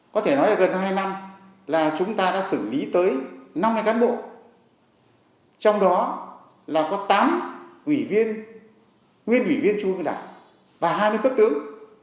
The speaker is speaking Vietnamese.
có thể nói là gần hai năm là chúng ta đã xử lý tới năm cái cán bộ trong đó là có tám nguyên ủy viên chung với đảng và hai mươi cấp tướng